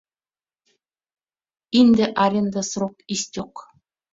Инде аренда срок истёк.